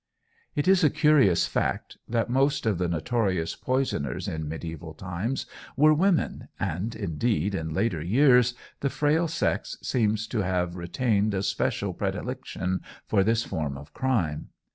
It is a curious fact that most of the notorious poisoners in mediæval times were women, and, indeed, in later years the frail sex seem to have retained a special predilection for this form of crime.